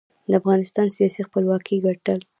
د افغانستان سیاسي خپلواکۍ ګټل.